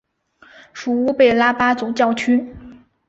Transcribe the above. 属乌贝拉巴总教区。